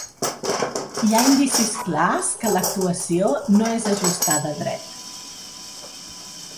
Hi ha indicis clars que l'actuació no és ajustada a dret.